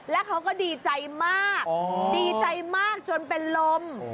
แล้วเขาก็ดีใจมากดีใจมากจนเป็นลม